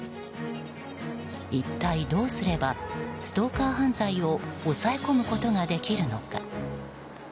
一体どうすればストーカー犯罪を抑え込むことができるのか。